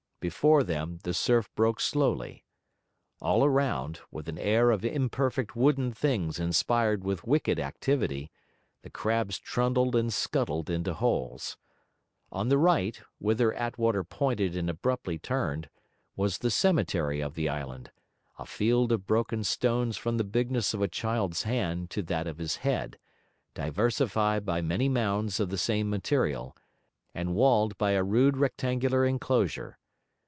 Before them the surf broke slowly. All around, with an air of imperfect wooden things inspired with wicked activity, the crabs trundled and scuttled into holes. On the right, whither Attwater pointed and abruptly turned, was the cemetery of the island, a field of broken stones from the bigness of a child's hand to that of his head, diversified by many mounds of the same material, and walled by a rude rectangular enclosure.